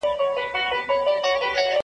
بیا هم د حقیقت د رڼا په څېر